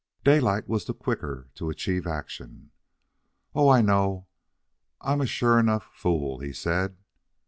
Daylight was the quicker to achieve action. "Oh, I know I'm a sure enough fool," he said.